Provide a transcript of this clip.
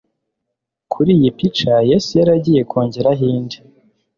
Kuri iyi pica Yesu yari agiye kongeraho indi.